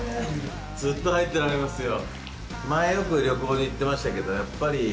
ずっと入ってられますよ。